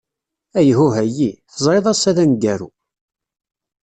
Ayhuh a yyi! Teẓrid ass-a d aneggaru.